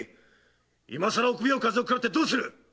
今さら臆病風をくらってどうする！